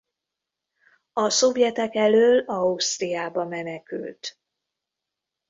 A szovjetek elől Ausztriába menekült.